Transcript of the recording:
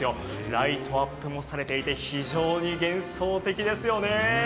ライトアップもされていて、非常に幻想的ですよね。